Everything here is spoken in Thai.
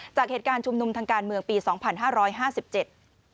จากเหตุการณ์ชุมนุมทางการเมืองปีสองพันห้าร้อยห้าสิบเจ็ด